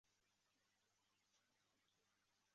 他也代表意大利国家男子排球队参赛。